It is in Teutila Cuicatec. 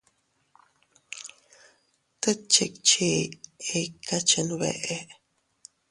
Tet chikchi ikaa chenbeʼe.